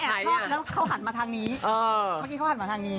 เขาอาจจะมองข้างหลังไปทางโน้นก็ได้